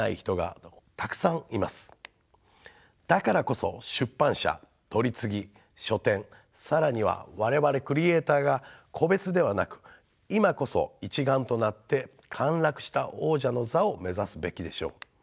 だからこそ出版社取次書店更には我々クリエーターが個別ではなく今こそ一丸となって陥落した王者の座を目指すべきでしょう。